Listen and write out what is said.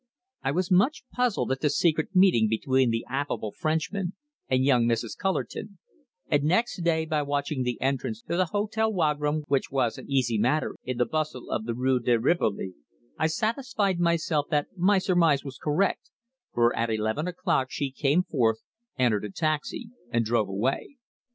I was much puzzled at the secret meeting between the affable Frenchman and young Mrs. Cullerton, and next day by watching the entrance to the Hôtel Wagram, which was an easy matter in the bustle of the Rue de Rivoli, I satisfied myself that my surmise was correct, for at eleven o'clock she came forth, entered a taxi, and drove away.